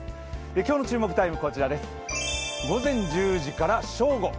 今日の注目タイムは午前１０時から正午。